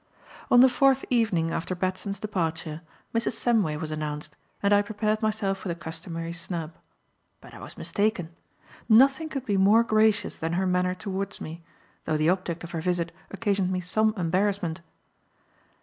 On the fourth evening after Batson's departure, Mrs. Samway was announced and I prepared myself for the customary snub. But I was mistaken. Nothing could be more gracious than her manner towards me, though the object of her visit occasioned me some embarrassment.